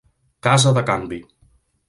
Casa de canvi.